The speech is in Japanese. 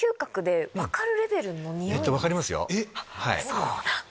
そうなんだ！